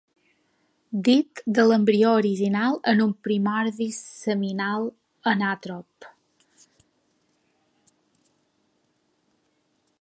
Dit de l'embrió originat en un primordi seminal anàtrop.